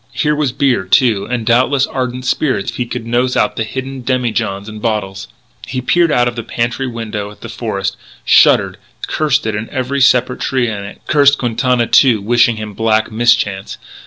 Here was beer, too; and doubtless ardent spirits if he could nose out the hidden demijohns and bottles. He peered out of the pantry window at the forest, shuddered, cursed it and every separate tree in it; cursed Quintana, too, wishing him black mischance.